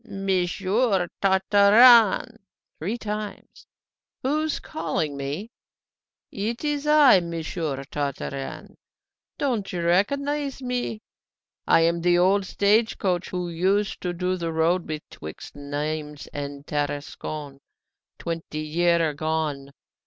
"Monsieur Tartarin!" three times. "Who's calling me?" "It's I, Monsieur Tartarin. Don't you recognise me? I am the old stage coach who used to do the road betwixt Nimes and Tarascon twenty year agone.